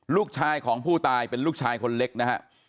ลูกชายของผู้ตายเป็นลูกชายคนเล็กนะฮะ